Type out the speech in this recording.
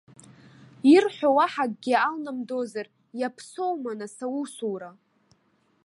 Ирҳәо уаҳа акгьы алнамдозар, иаԥсоума, нас, аусура?